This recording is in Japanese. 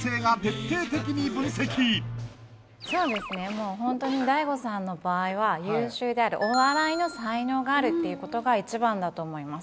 もうホントに大悟さんの場合は優秀であるお笑いの才能があるっていうことが一番だと思います